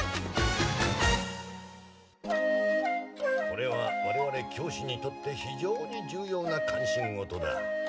これはわれわれ教師にとって非常に重要な関心事だ。